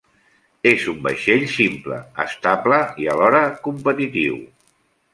És un vaixell simple, estable, i, alhora, competitiu.